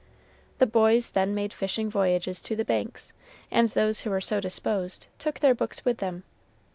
The boys then made fishing voyages to the Banks, and those who were so disposed took their books with them.